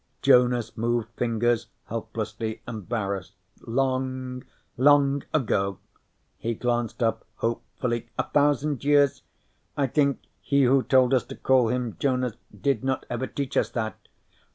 Jonason moved fingers helplessly, embarrassed. "Long, long ago." He glanced up hopefully. "A thousand years? I think he who told us to call him Jonas did not ever teach us that."